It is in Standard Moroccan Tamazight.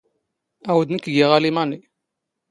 ⴰⵡⴷ ⵏⴽⴽ ⴳⵉⵖ ⴰⵍⵉⵎⴰⵏⵉ.